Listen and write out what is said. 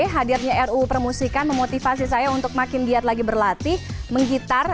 hadirnya ruu permusikan memotivasi saya untuk makin giat lagi berlatih menggitar